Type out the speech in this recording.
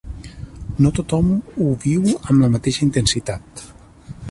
No tothom ho viu amb la mateixa intensitat.